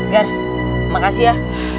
gar makasih ya